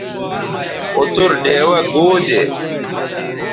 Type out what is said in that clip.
اوتر ڈیوہ گو دے